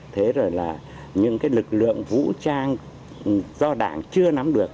thế rồi là những cái lực lượng vũ trang do đảng chưa nắm được